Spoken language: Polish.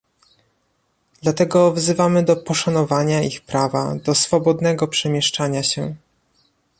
Dlatego wzywamy do poszanowania ich prawa do swobodnego przemieszczania się